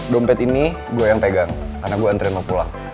dompet ini gue yang pegang karena gue anterin lo pulang